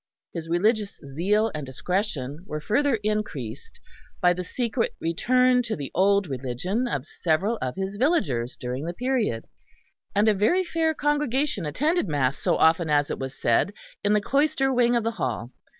His religious zeal and discretion were further increased by the secret return to the "Old Religion" of several of his villagers during the period; and a very fair congregation attended Mass so often as it was said in the cloister wing of the Hall.